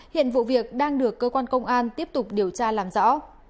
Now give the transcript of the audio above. hiện vụ việc đang được cơ quan công an tiếp tục điều tra làm rõ